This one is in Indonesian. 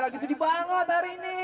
lagi sedih banget hari ini